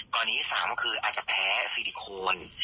กรณีที่๓คืออาจจะแพ้ซีลิโคน